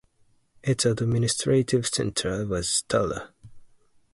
Its administrative centre was Tara.